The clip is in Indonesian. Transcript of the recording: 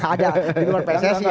ada di luar pc sih ya